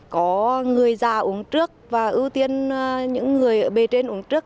có người già uống trước và ưu tiên những người ở bề trên uống trước